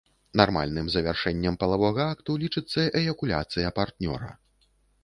Нармальным завяршэннем палавога акту лічыцца эякуляцыя партнёра.